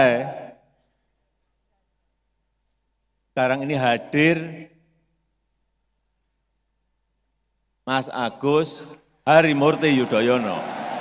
sekarang ini hadir mas agus harimurti yudhoyono